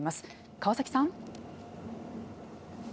川崎さん。